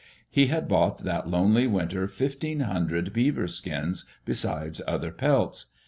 He had bought that lonely winter fifteen hundred beaver skins, besides other pelts.